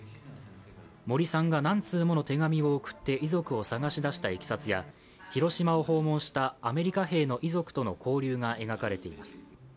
森さんが何通もの手紙を送って遺族を探し出したいきさつや、広島を訪問したアメリカ兵の遺族との交流が描かれています。